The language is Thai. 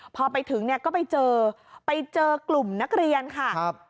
พอไปถึงก็ไปเจอกลุ่มนักเรียนค่ะ